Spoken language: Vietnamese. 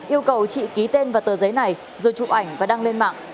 yêu cầu chị ký tên vào tờ giấy này rồi chụp ảnh và đăng lên mạng